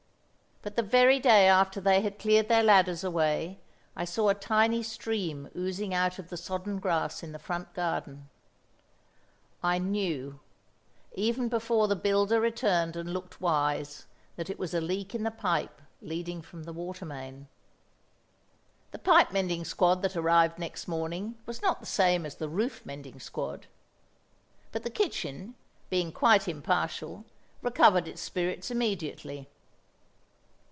But the very day after they had cleared their ladders away, I saw a tiny stream oozing out of the sodden grass in the front garden. I knew, even before the builder returned and looked wise, that it was a leak in the pipe leading from the water main. The pipe mending squad that arrived next morning was not the same as the roof mending squad; but the kitchen, being quite impartial, recovered its spirits immediately.